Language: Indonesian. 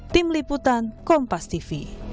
tim liputan kompas tv